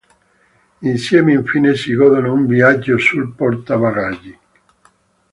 Insieme infine si godono un viaggio sul portabagagli.